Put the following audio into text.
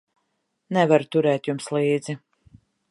Nevaru turēt jums līdzi.